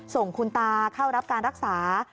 ส่งคุณตาเข้ารับการรักษา